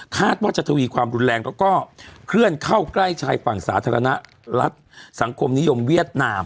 คาดว่าจะทวีความรุนแรงแล้วก็เคลื่อนเข้าใกล้ชายฝั่งสาธารณรัฐสังคมนิยมเวียดนาม